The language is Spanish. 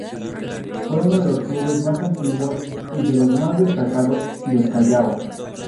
Fue uno de los clubes más antiguos y de los más destacados del Callao.